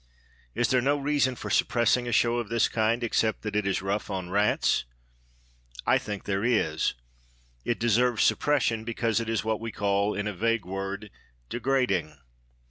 Is there no reason for suppressing a show of this kind except that it is rough on rats? I think there is. It deserves suppression because it is what we call, in a vague word, degrading.